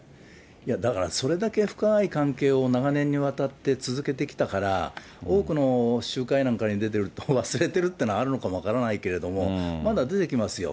だからそれだけ深い関係を長年にわたって続けてきたから、多くの集会なんかに出てると、忘れてるっていうのはあるのかも分からないけど、まだ出てきますよ。